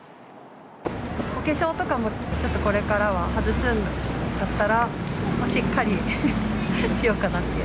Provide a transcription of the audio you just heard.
お化粧とかも、ちょっとこれからは外すんだったら、しっかりしようかなっていう。